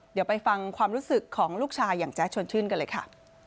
เดี๋ยวไปฟังความรู้สึกของลูกชายอย่างแจ๊ดชวนชื่นกันเลยค่ะ